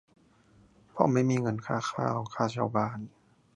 เพราะไม่มีเงินค่าข้าว ค่าเช่าบ้าน